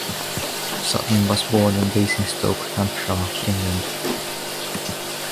Sutton was born in Basingstoke, Hampshire, England.